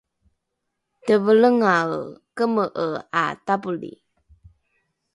tevelengae keme’e ’a tapoli